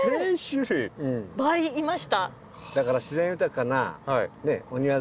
倍いました。